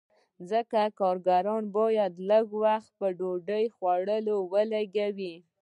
ځکه کارګر باید لږ وخت په ډوډۍ خوړلو ولګوي